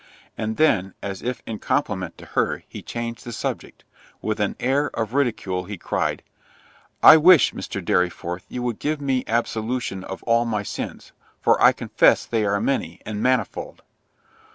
And then, as if in compliment to her, he changed the subject;—with an air of ridicule he cried, "I wish, Mr. Dorriforth, you would give me absolution of all my sins, for I confess they are many, and manifold."